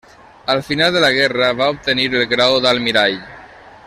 Al final de la guerra va obtenir el grau d'almirall.